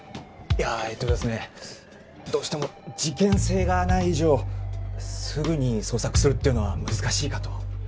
いやえっとですねどうしても事件性がない以上すぐに捜索するっていうのは難しいかと。